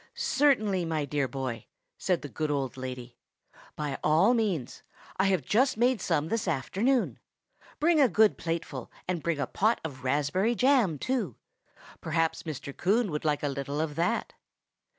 "Certainly, my dear boy," said the good old lady; "by all means. I have just made some this afternoon. Bring a good plateful, and bring a pot of raspberry jam, too. Perhaps Mr. Coon would like a little of that."